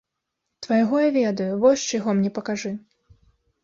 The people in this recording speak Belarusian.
Твайго я ведаю, вось чыйго мне пакажы.